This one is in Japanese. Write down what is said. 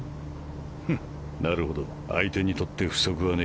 フッなるほど相手にとって不足はねえ。